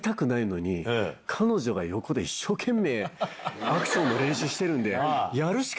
彼女が横で一生懸命アクションの練習してるんで。